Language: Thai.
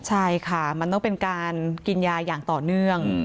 ใช่ค่ะมันต้องเป็นการกินยาอย่างต่อเนื่อง